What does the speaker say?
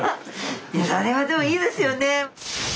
いやそれはでもいいですよね。